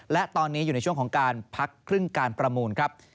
และตอนนี้อยู่ในช่วงของการพักครึ่งการประมูลครับ